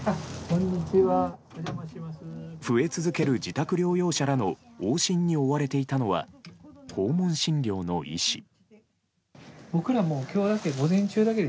増え続ける自宅療養者らの往診に追われていたのは訪問診療の医師。